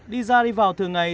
đi ra đi vào thường ngày